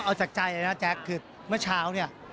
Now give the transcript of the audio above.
เอาจากใจเลยนะแจ๊คคือเมื่อเช้าเนี่ย